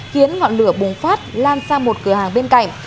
khiến ngọn lửa bùng phát lan sang một cửa hàng bên cạnh